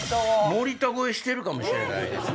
森田超えしてるかもしれないです